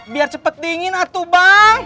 biar cepet dingin atuh bang